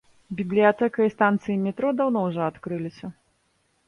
Бібліятэка і станцыі метро даўно ўжо адкрыліся.